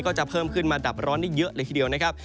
ก็จะเพิ่มขึ้นมาดับร้อนได้เยอะเลยทีเดียวนะครับ